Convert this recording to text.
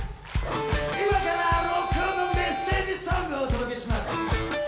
今からＲｏｃｋｏｎのメッセージソングをお届けします。